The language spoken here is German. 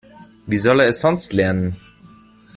Wie soll er es sonst lernen?